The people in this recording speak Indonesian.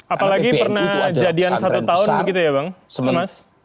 apalagi pernah jadian satu tahun begitu ya bang mas